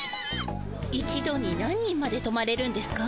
一度に何人までとまれるんですか？